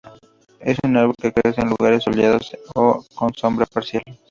Es un árbol que crece en lugares soleados o con sombra parcial.